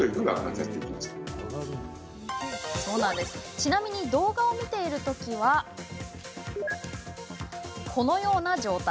ちなみに動画を見ているときはこのような状態。